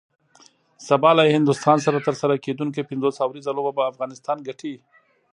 سبا له هندوستان سره ترسره کیدونکی پنځوس اوریزه لوبه به افغانستان ګټي